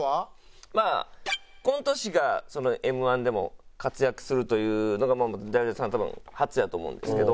まあコント師がＭ−１でも活躍するというのがジャルジャルさん多分初やと思うんですけど。